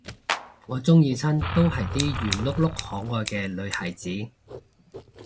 我鍾意親都係啲圓碌碌可愛嘅女孩子